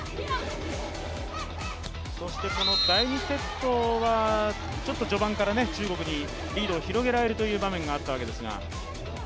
この第２セットは序盤から中国にリードを広げられるという場面があったんですが。